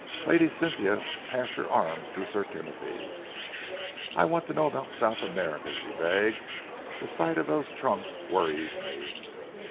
Lady Cynthia passed her arm through Sir Timothy's. "I want to know about South America," she begged. "The sight of those trunks worries me."